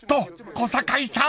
小堺さん］